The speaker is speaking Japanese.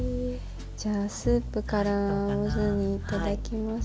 じゃあスープからいただきます。